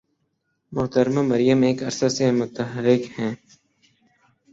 محترمہ مریم ایک عرصہ سے متحرک ہیں۔